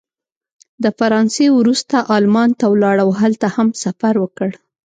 د فرانسې وروسته المان ته ولاړ او هلته یې هم سفر وکړ.